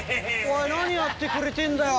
何やってくれてんだよ！